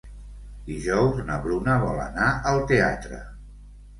Dijous na Bruna vol anar al teatre.